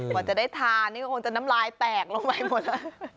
กว่าจะได้ทานนี่ก็คงจะน้ำลายแตกลงไปหมดแล้ว